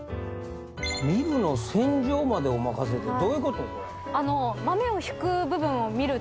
「ミルの洗浄までおまかせ」ってどういうこと？